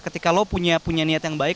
ketika lo punya niat yang baik